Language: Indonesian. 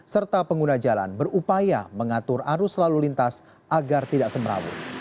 serta pengguna jalan berupaya mengatur arus lalu lintas agar tidak semerawut